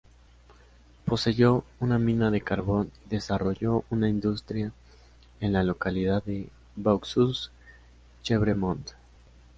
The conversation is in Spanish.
Poseyó una mina de carbón y desarrolló una industria en la localidad de Vaux-sous-Chêvremont.